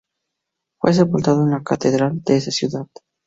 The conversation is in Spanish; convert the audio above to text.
Fue sepultado en la catedral de esa ciudad.